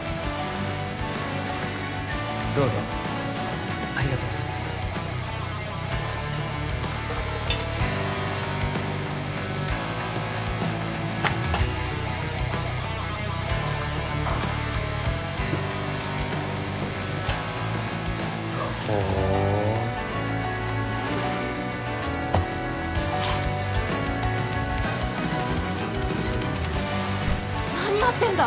どうぞありがとうございますほ何やってんだ？